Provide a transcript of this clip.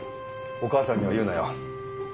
お母さんには言うなよ。